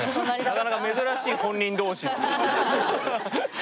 なかなか珍しい本人同士っていう。